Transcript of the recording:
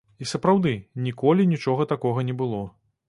І сапраўды, ніколі нічога такога не было.